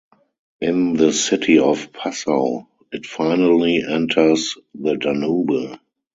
In the city of Passau it finally enters the Danube.